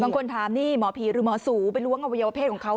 บางคนถามนี่หมอผีหรือหมอสูไปล้วงอวัยวเพศของเขา